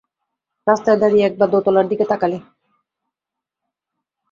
রাস্তায় দাঁড়িয়ে একবার দোতলার দিকে তাকালে।